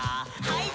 はい。